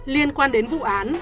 liên quan đến vụ án